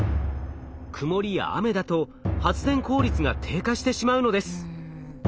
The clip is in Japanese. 曇りや雨だと発電効率が低下してしまうのです。